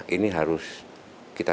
ini harus kita